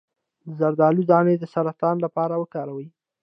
د زردالو دانه د سرطان لپاره وکاروئ